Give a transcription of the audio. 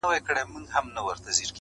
o خدای انډیوال که جانان څۀ ته وایي,